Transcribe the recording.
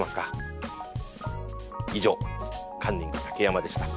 以上カンニング竹山でした。